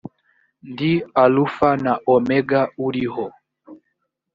ndi alufa na omega uriho